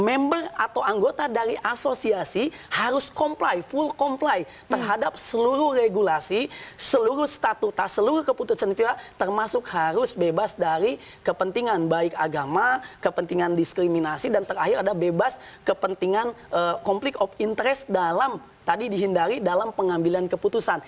member atau anggota dari asosiasi harus comply full comply terhadap seluruh regulasi seluruh statuta seluruh keputusan fifa termasuk harus bebas dari kepentingan baik agama kepentingan diskriminasi dan terakhir ada bebas kepentingan conflict of interest dalam tadi dihindari dalam pengambilan keputusan